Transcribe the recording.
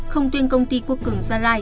không tuyên công ty quốc cường gia lai